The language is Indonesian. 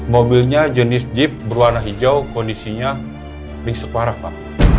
mobilnya jenis jeep berwarna hijau kondisinya ringsek parah pak